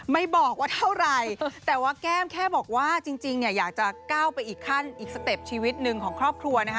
ไม่บอกว่าเท่าไหร่แต่ว่าแก้มแค่บอกว่าจริงเนี่ยอยากจะก้าวไปอีกขั้นอีกสเต็ปชีวิตหนึ่งของครอบครัวนะคะ